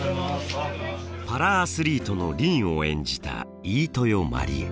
パラアスリートの凛を演じた飯豊まりえ。